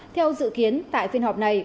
theo dự kiến tại phiên họp này